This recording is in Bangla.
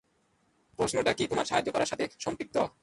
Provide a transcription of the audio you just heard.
প্রশ্নটা কি তোমার সাহায্য করার সাথে সম্পৃক্ত?